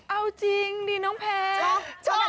เอาจริงดิน้องแพทย์ชอบเหรอ